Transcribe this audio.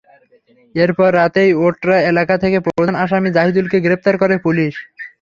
এরপর রাতেই ওটরা এলাকা থেকে প্রধান আসামি জাহিদুলকে গ্রেপ্তার করে পুলিশ।